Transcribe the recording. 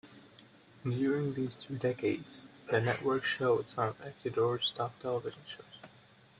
During these two decades the network showed some of Ecuador's top television shows.